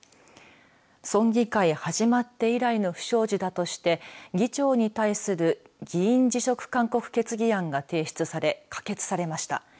村議会始まって以来の不祥事だとして議長に対する議員辞職勧告決議案が提出され可決されました。